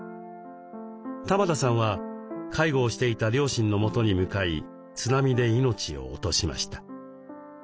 玉田さんは介護をしていた両親のもとに向かい津波で命を落としました。